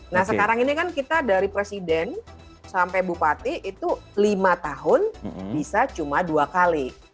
nah sekarang ini kan kita dari presiden sampai bupati itu lima tahun bisa cuma dua kali